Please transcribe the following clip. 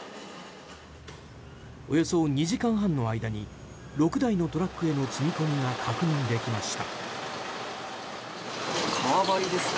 およそ２時間半の間に６台のトラックへの積み込みが確認できました。